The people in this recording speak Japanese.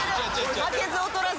負けず劣らず。